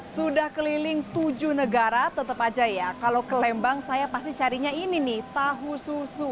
sudah keliling tujuh negara tetap aja ya kalau ke lembang saya pasti carinya ini nih tahu susu